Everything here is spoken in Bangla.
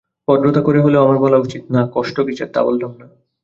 ভদ্রতা করে হলেও আমার বলা উচিত, না, কষ্ট কিসের তা বললাম না!